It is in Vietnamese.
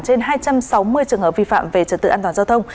trên hai trăm sáu mươi trường hợp vi phạm về trật tự an toàn giao thông